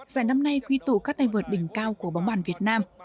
giải năm nay quy tụ các tay vượt đỉnh cao của bóng bàn việt nam